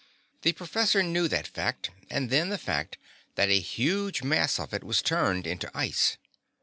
The professor knew that fact, and then the fact that a huge mass of it was turned into ice.